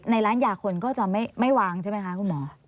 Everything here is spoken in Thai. ในร้านยาคนก็จะไม่วางใช่ไหมคะคุณหมอ